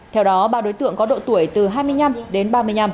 theo đó ba đối tượng có độ tuổi từ hai mươi năm đến ba mươi năm